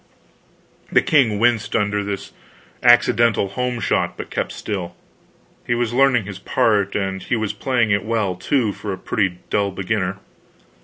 The king winced under this accidental home shot, but kept still; he was learning his part; and he was playing it well, too, for a pretty dull beginner.